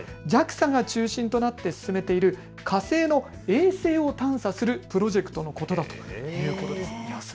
ＪＡＸＡが中心となって進めている火星の衛星を探査するプロジェクトのことだということです。